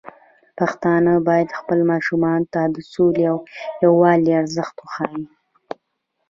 پښتانه بايد خپل ماشومان ته د سولې او يووالي ارزښت وښيي.